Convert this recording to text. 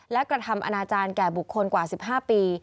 และกระทำอนาจารย์แก่บุคคลกว่า๑๕ปี